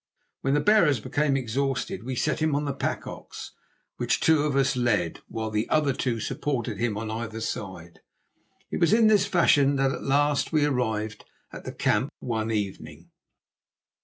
When the bearers became exhausted we set him on the pack ox, which two of us led, while the other two supported him on either side. It was in this fashion that at last we arrived at the camp one evening.